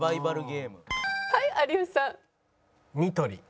はい有吉さん。